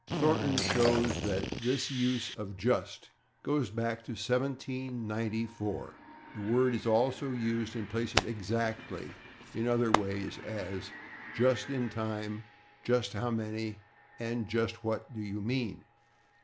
Thornton shows that this use of /just/ goes back to 1794. The word is also used in place of /exactly/ in other ways, as in /just in time/, /just how many/ and /just what do you mean?